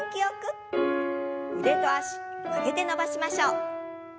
腕と脚曲げて伸ばしましょう。